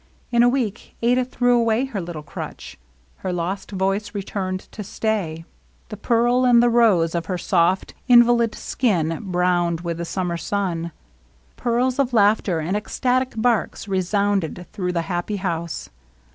In a week Adah threw away her little crutch. Her lost voice returned, to stay. The pearl and the »« t •^v. .•«•• C ._.«». LOVELINESS. 41 rose of her soft, invalid skin browned with the sum mer sun. Peals of laughter and ecstatic barks re sounded through the happy house.